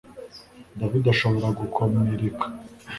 David ashobora gukomereka